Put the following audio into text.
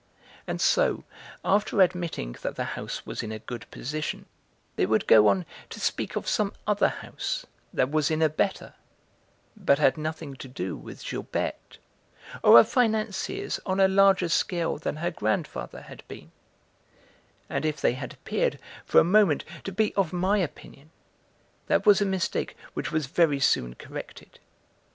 And so, after admitting that the house was in a good position, they would go on to speak of some other house that was in a better, but had nothing to do with Gilberte, or of financiers on a larger scale than her grandfather had been; and if they had appeared, for a moment, to be of my opinion, that was a mistake which was very soon corrected.